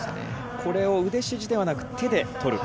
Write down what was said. これを腕ではなく、手でとる。